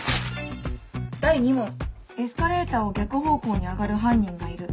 「第２問エスカレーターを逆方向に上がる犯人がいる。